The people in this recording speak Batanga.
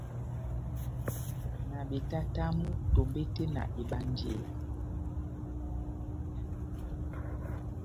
Na betatamu tombete na ebanjeya.